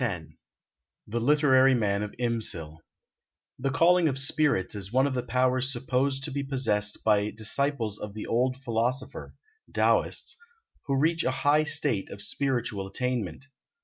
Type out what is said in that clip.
X THE LITERARY MAN OF IMSIL [The calling of spirits is one of the powers supposed to be possessed by disciples of the Old Philosopher (Taoists), who reach a high state of spiritual attainment.